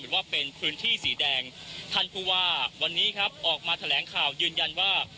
ว่าเป็นพื้นที่สีแดงท่านผู้ว่าวันนี้ครับออกมาแถลงข่าวยืนยันว่า